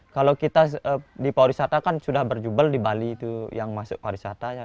kalau kita di pariwisata kan sudah berjubel di bali itu yang masuk pariwisata